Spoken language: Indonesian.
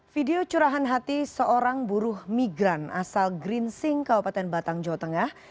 video curahan hati seorang buruh migran asal green sing kabupaten batang jawa tengah